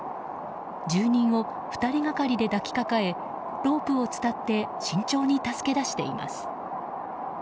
住人を２人がかりで抱きかかえロープを使って慎重に助け出しています。